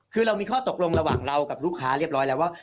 คือเรามีข้อตกลงระหว่างเรากับลูกค้าเรียบร้อยแล้วว่า